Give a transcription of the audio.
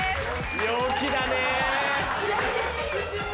陽気だね。